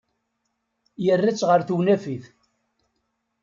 Yerra-tt ɣer tewnafit.